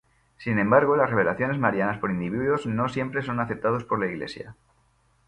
Sin embargo, las revelaciones marianas por individuos no siempre son aceptados por la Iglesia.